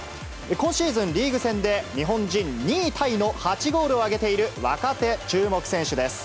今シーズン、リーグ戦で日本人２位タイの８ゴールを挙げている若手注目選手です。